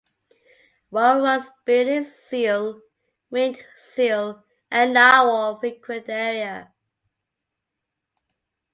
Walrus, bearded seal, ringed seal, and narwhal frequent the area.